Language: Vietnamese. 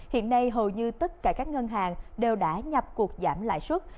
hiện nay hầu như tất cả các ngân hàng đều đã nhập cuộc giảm lãi suất